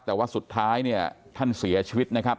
แต่ว่าสุดท้ายเนี่ยท่านเสียชีวิตนะครับ